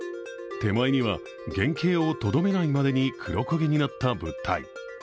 手前には原形をとどめないまでに黒焦げになった物体。